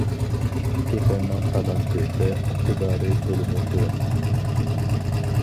پېقىرنىڭ تالانتى ۋە ئىقتىدارى تولىمۇ تۆۋەن.